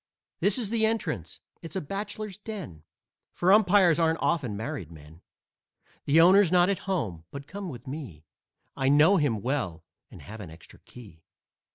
This is the entrance. It's a bachelor's den, For umpires aren't often married men. The owner's not at home, but come with me; I know him well and have an extra key.